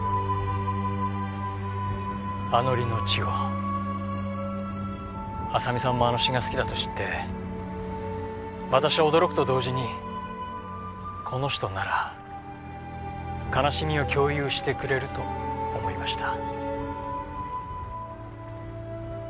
『安乗の稚児』浅見さんもあの詩が好きだと知って私は驚くと同時にこの人なら悲しみを共有してくれると思いました。